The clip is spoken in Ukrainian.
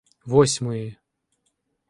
Восьмої